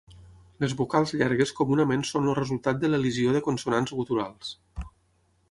Les vocals llargues comunament són el resultat de l'elisió de consonants guturals.